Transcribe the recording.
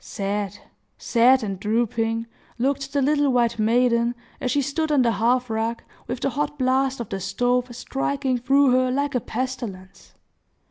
Sad, sad and drooping, looked the little white maiden, as she stood on the hearth rug, with the hot blast of the stove striking through her like a pestilence.